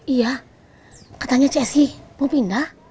iya katanya cessy mau pindah